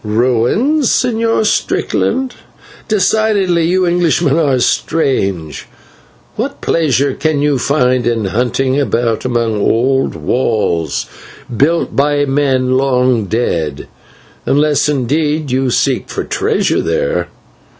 "Ruins, Señor Strickland! Decidedly you Englishmen are strange. What pleasure can you find in hunting about among old walls, built by men long dead, unless indeed you seek for treasure there.